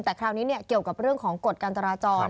แต่คราวนี้เกี่ยวกับเรื่องของกฎการจราจร